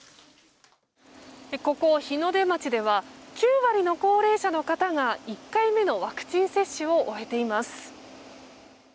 ここ、日の出町では９割の高齢者の方が１回目のワクチン接種を終えています。